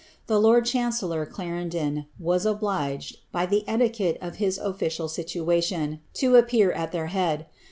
The lord chancellor Clarendon, was obliged, by the etiquette of his official situation, to appear at their head.